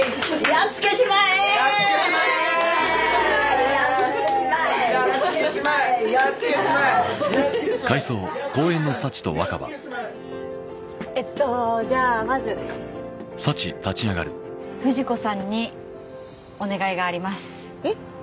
やっつけちまえやっつけちまえやっつけちまえやっつけちまえやっつけちまえやっつけちまええっとじゃあまず富士子さんにお願いがありますえっ？